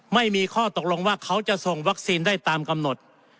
ไม่มีข้อตกลงว่าเขาจะส่งวัคซีนได้ตามกำหนด